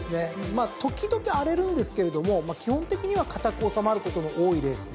まあ時々荒れるんですけれども基本的には堅く収まることの多いレースで。